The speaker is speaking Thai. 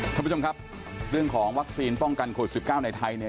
ทุกคนครับเรื่องของวัคซีนป้องกันโคตร๑๙ในไทย